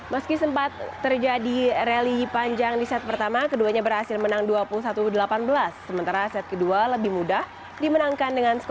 meski sempat terjadi rally panjang di set pertama keduanya berhasil menang dua puluh satu delapan belas sementara set kedua lebih mudah dimenangkan dengan skor dua puluh satu tiga belas